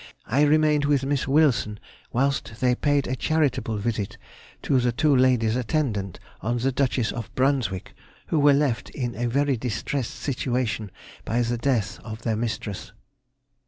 I remained with Miss Wilson whilst they paid a charitable visit to the two ladies attendant on the Duchess of Brunswick, who were left in a very distressed situation by the death of their mistress.